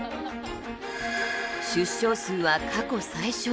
出生数は過去最少。